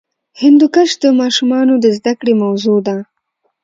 هندوکش د ماشومانو د زده کړې موضوع ده.